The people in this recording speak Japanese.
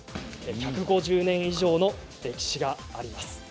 １５０年以上の歴史があります。